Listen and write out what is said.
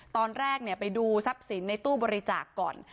ตอนแรกไปดูทรัพย์สินในตู้บริจาคก่อน